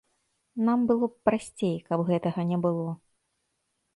Нам было б прасцей, каб гэтага не было.